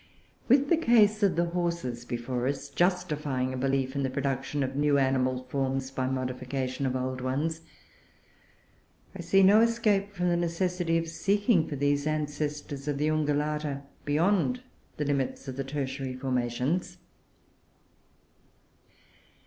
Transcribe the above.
With the case of the Horses before us, justifying a belief in the production of new animal forms by modification of old ones, I see no escape from the necessity of seeking for these ancestors of the Ungulata beyond the limits of the Tertiary formations.